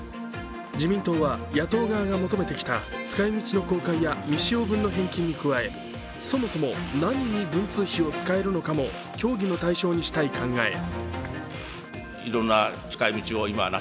自民党は野党側が求めてきた使い道の公開や未使用分の返金に加えそもそも何に文通費を使えるのかも協議の対象にしたい考え。